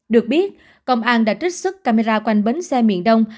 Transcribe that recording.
được biết công an đã trích xuất camera quanh bến xe miền đông